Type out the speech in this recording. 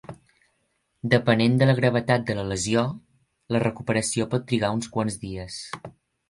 Depenent de la gravetat de la lesió, la recuperació pot trigar uns quants dies.